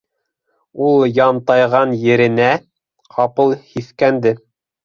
Ул янтайған еренән ҡапыл һиҫкәнде.